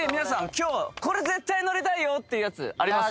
今日これ絶対乗りたいよってやつあります？